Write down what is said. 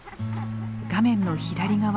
画面の左側。